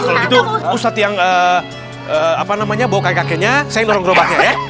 kalau gitu ustadz yang bawa kakek kakeknya saya dorong gerobaknya ya